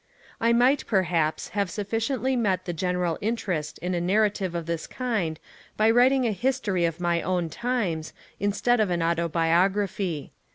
I might, perhaps, have sufficiently met the general interest in a narrative of this kind by writing a history of my own times, instead of an autobiography.